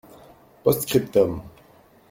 (post-scriptum).